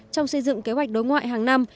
trong xây dựng kế hoạch đối ngoại hàng năm